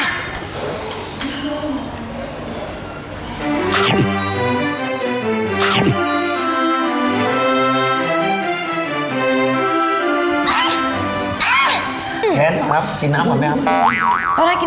แทนครับกินน้ำเหมือนไหมครับ